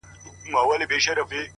دا به چيري خيرن سي؛